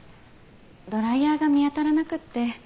ドライヤーが見当たらなくって。